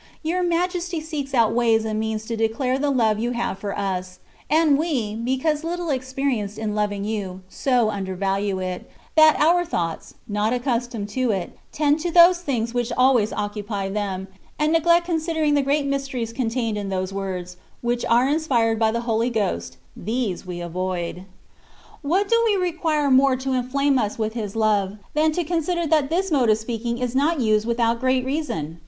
Your Majesty seeks out ways and means to declare the love you have for us ; and we, because little expe rienced in loving you, so undervalue it, that our thoughts, not accustomed to it, tend to those things which always occupy them, and neglect considering the great mysteries contained in those words, which are inspired by the Holy Ghost: these we avoid. What do we require more to inflame us with His love, than to consider that this mode of speaking* is not used without great reason